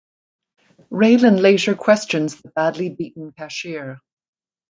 Raylan later questions the badly beaten cashier.